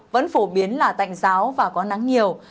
vẫn phổ biến là tạnh giáo và có nắng nhiều